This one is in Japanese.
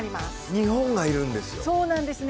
日本がいるんですよ。